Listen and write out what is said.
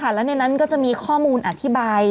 แล้วในนั้นก็จะมีข้อมูลอธิบาย